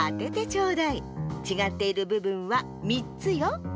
ちがっているぶぶんは３つよ。